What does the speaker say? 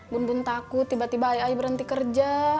bun bun takut tiba tiba ayah berhenti kerja